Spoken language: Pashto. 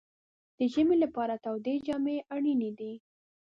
د ژمي لپاره تودې جامې اړینې دي.